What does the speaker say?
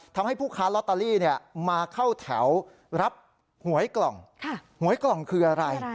ทำให้ผู้ค้าลอตเตอรี่มาเข้าแถวรับหวยกล่องหวยกล่องคืออะไร